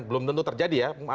belum tentu terjadi ya